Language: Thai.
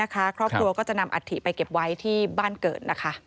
ครอบครัวก็จะนำอัฐิไปเก็บไว้ที่บ้านเกิด